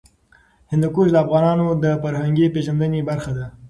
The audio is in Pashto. هندوکش د افغانانو د فرهنګي پیژندنې برخه ده.